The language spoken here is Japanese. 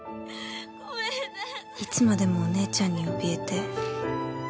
いつまでもお姉ちゃんに怯えて。